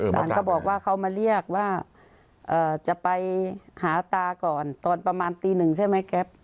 หลานก็บอกว่าเขามาเรียกว่าจะไปหาตาก่อนตอนประมาณตีหนึ่งใช่ไหมแก๊ป